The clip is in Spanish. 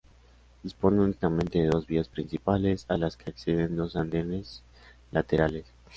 Dispone únicamente de dos vías principales a las que acceden dos andenes laterales.